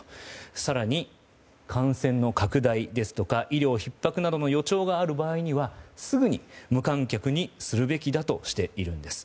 更に、感染拡大ですとか医療ひっ迫の予兆などがある場合にはすぐに無観客にするべきだとしているんです。